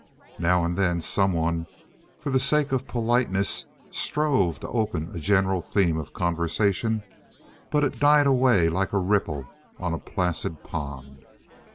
Now and then someone, for the sake of politeness, strove to open a general theme of conversation, but it died away like a ripple on a placid pond.